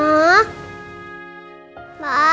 aku mau berbicara sama dia